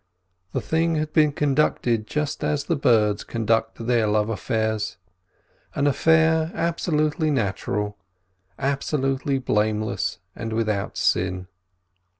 The thing had been conducted just as the birds conduct their love affairs. An affair absolutely natural, absolutely blameless, and without sin.